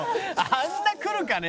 「あんなくるかね？